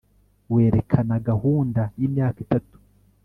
werekana gahunda y imyaka itatu